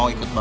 oh si teh